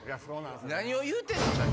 何を言うてんの。